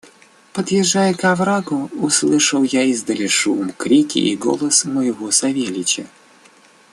Подъезжая к оврагу, услышал я издали шум, крики и голос моего Савельича.